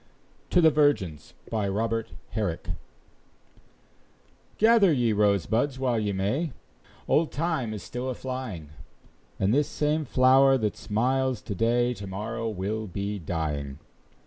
Robert Herrick. TO THE VIRGINS. Gather ye rosebuds while ye may, Old Time is still a flying; And this same flower that smiles to day, To morrow will be dying.